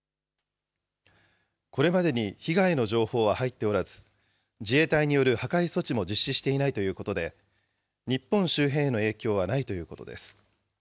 これまでに被害の情報は入っておらず、自衛隊による破壊措置も実施していないということで、日本周辺への影響はないということです。